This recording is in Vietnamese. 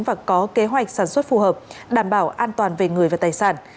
và có kế hoạch sản xuất phù hợp đảm bảo an toàn về người và tài sản